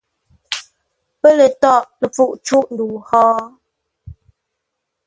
Pə́ lə tâghʼ ləpfuʼ cûʼ ndəu hó?